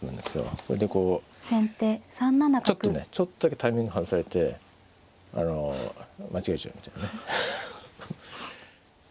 それでこうちょっとねちょっとだけタイミング外されてあの間違えちゃうみたいなね。